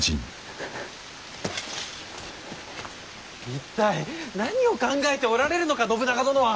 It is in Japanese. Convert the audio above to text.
一体何を考えておられるのか信長殿は！